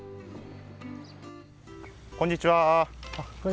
こんにちは。